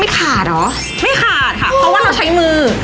ไม่ขาดค่ะเพราะว่าเราใช้มือ